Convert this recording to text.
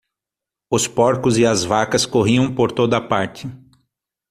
Os porcos e as vacas corriam por toda parte.